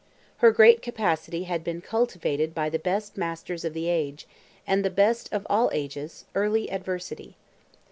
Her great capacity had been cultivated by the best masters of the age, and the best of all ages, early adversity.